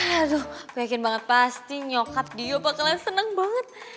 aduh gue yakin banget pasti nyokap dia bakalan seneng banget